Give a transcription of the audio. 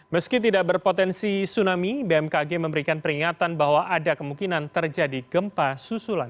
meski tidak berpotensi tsunami bmkg memberikan peringatan bahwa ada kemungkinan terjadi gempa susulan